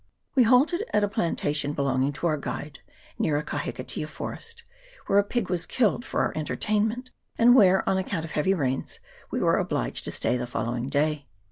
We halted at a plantation belonging to our guide, near a kahikatea forest, where a pig was killed for our entertainment, and where, on account of heavy rains, we were obliged to stay the following day.